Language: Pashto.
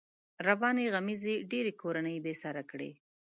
روانې غمېزې ډېری کورنۍ بې سره کړې.